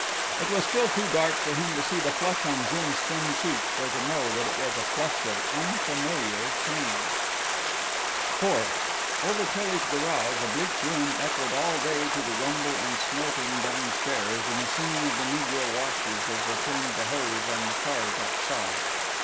It was still too dark for him to see the flush on Jim's thin cheeks or to know that it was a flush of unfamiliar shame. IV Over Tilly's garage a bleak room echoed all day to the rumble and snorting down stairs and the singing of the negro washers as they turned the hose on the cars outside.